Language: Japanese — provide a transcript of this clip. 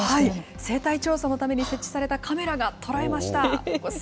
生態調査のために設置されたカメラが捉えました。